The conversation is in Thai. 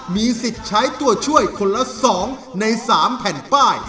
มีสิทธิ์ใช้ตัวช่วยคนละ๒ใน๓แผ่นป้าย